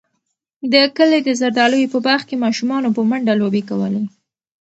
د کلي د زردالیو په باغ کې ماشومانو په منډو لوبې کولې.